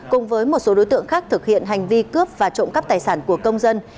cùng với một số đối tượng khác thực hiện hành vi cướp và trộm cắp tài sản của công dân